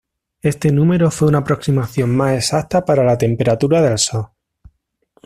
Éste número fue una aproximación más exacta para la temperatura del Sol.